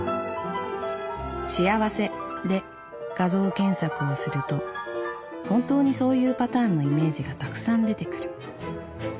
『幸せ』で画像検索をすると本当にそういうパターンのイメージがたくさん出てくる。